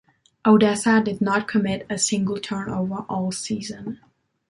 Odessa did not commit a single turnover all season.